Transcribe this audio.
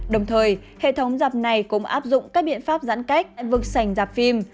đồng thời hệ thống giảm này cũng áp dụng các biện pháp giãn cách vực sảnh giảm phim